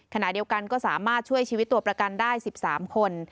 ขณะเดียวกันก็สามารถช่วยชีวิตตัวประกันได้๑๓คน